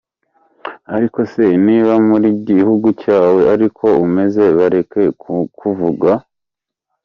Ariko se, niba muri gihugu cyawe, ari ko umeze, bareke kukuvuga?.